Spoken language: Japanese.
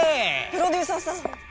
プロデューサーさん。